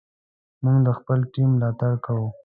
موږ د خپل ټیم ملاتړ کوو.